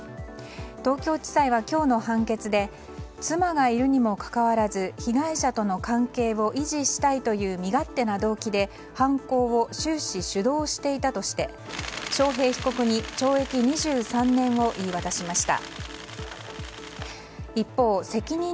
東京地裁は今日の判決で妻がいるにもかかわらず被害者との関係を維持したいという身勝手な動機で犯行を終止主導していたとして章平被告に懲役２３年を言い渡しました。